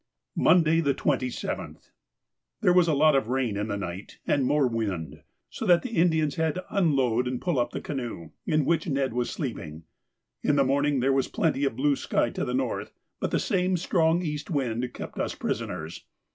Monday, the 27th.—There was a lot of rain in the night, and more wind, so that the Indians had to unload and pull up the canoe, in which Ned was sleeping. In the morning there was plenty of blue sky to the north, but the same strong east wind kept us prisoners.